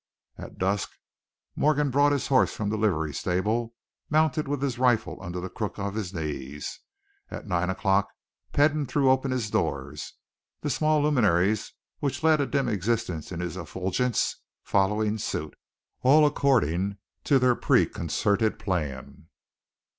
At dusk Morgan brought his horse from the livery stable, mounted with his rifle under the crook of his knee. At nine o'clock Peden threw open his doors, the small luminaries which led a dim existence in his effulgence following suit, all according to their preconcerted plan.